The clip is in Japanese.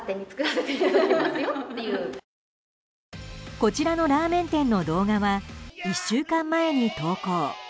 こちらのラーメン店の動画は一週間前に投稿。